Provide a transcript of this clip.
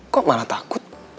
kok malah takut